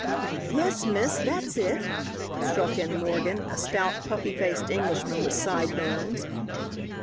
"Yes, miss, that's hit," struck in Morgan, a stout, puffy faced Englishman with "side burns."